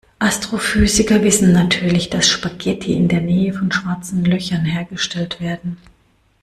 Astrophysiker wissen natürlich, dass Spaghetti in der Nähe von Schwarzen Löchern hergestellt werden.